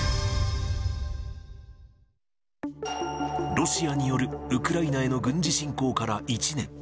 ロシアによるウクライナへの軍事侵攻から１年。